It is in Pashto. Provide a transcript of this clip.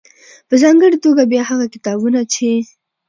.په ځانګړې توګه بيا هغه کتابونه چې